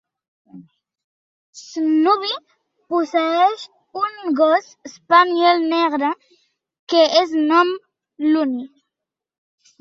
Snubby posseeix un gos spaniel negre, que es nom Loony.